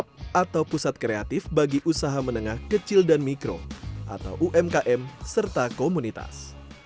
atau pusat kreatif bagi usaha menengah kecil dan mikro atau umkm serta komunitas